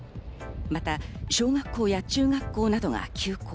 また小学校や中学校などは休校。